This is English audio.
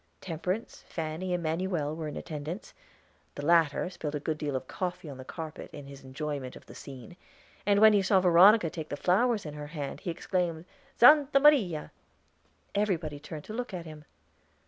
Temperance, Fanny, and Manuel were in attendance; the latter spilled a good deal of coffee on the carpet in his enjoyment of the scene; and when he saw Veronica take the flowers in her hand, he exclaimed, "Santa Maria!" Everybody turned to look at him.